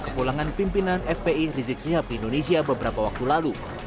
kepulangan pimpinan fpi rizik sihab ke indonesia beberapa waktu lalu